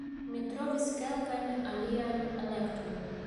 Mi trovis kelkajn aliajn elektojn